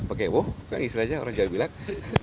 oke wah kan istilahnya orang jawa bilang